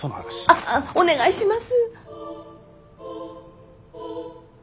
あっお願いします。